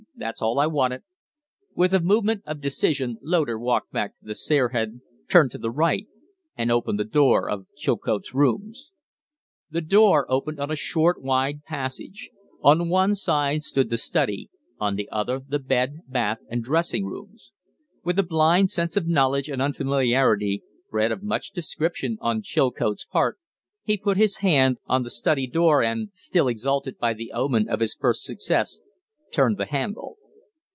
That's all I wanted." With a movement of decision Loder walked back to the stair head, turned to the right, and opened the door of Chilcote's rooms. The door opened on a short, wide passage; on one side stood the study, on the other the bed, bath, and dressing rooms. With a blind sense of knowledge and unfamiliarity, bred of much description on Chilcote's part, he put his hand on the study door and, still exalted by the omen of his first success, turned the handle.